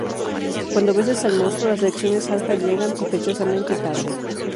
Cuando vences al monstruo, las Secciones Alpha llegan, sospechosamente tarde.